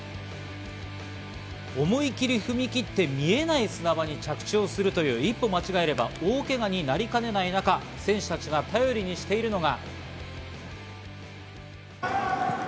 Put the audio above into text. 思い切り踏み切って見えない砂場に着地をするという一歩間違えれば大けがになりかねない中、選手たちが頼りにしているのが。